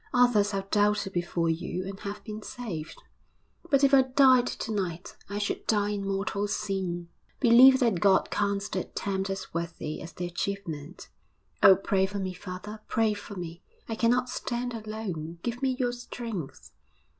Others have doubted before you and have been saved.' 'But if I died to night I should die in mortal sin.' 'Believe that God counts the attempt as worthy as the achievement.' 'Oh, pray for me, father, pray for me! I cannot stand alone. Give me your strength.'